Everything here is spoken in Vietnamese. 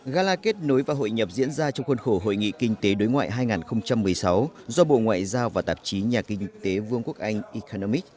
gala kết nối và hội nhập diễn ra trong khuôn khổ hội nghị kinh tế đối ngoại hai nghìn một mươi sáu do bộ ngoại giao và tạp chí nhà kinh tế vương quốc anh ekanomics